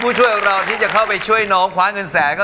ช่วยของเราที่จะเข้าไปช่วยน้องคว้าเงินแสน